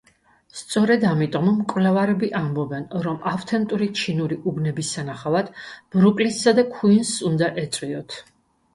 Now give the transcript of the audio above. სწორედ ამიტომ, მკვლევარები ამბობენ, რომ ავთენტური ჩინური უბნების სანახავად, ბრუკლინსა და ქუინსს უნდა ეწვიოთ.